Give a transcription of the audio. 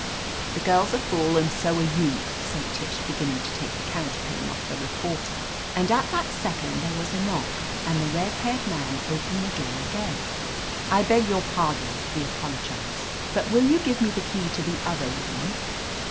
"The girl's a fool and so are you," said Tish, beginning to take the counterpane off the reporter. And at that second there was a knock and the red haired man opened the door again. "I beg your pardon," he apologized, "but will you give me the key to the other room?"